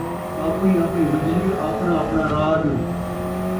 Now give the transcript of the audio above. آپݨی آپݨی ونجھلی، آپݨا آپݨا راڳ